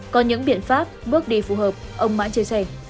có những biện pháp bước đi phù hợp ông mãn chia sẻ